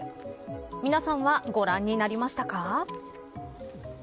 皆さんは、ご覧になりましたか。